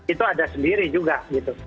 itu ada sendiri juga gitu